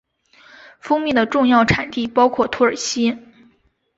蜂蜜的重要产地包括土耳其。